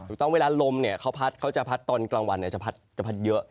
ถูกต้องเวลาลมเขาจะพัดตอนกลางวันจะพัดเยอะ